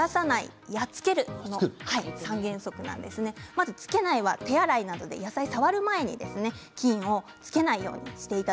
菌をつけないは、手洗いなど野菜を触る前に菌をつけないようにする。